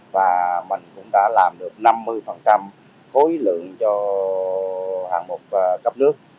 và mình cũng đã làm được năm mươi khối lượng cho hạng mục cấp nước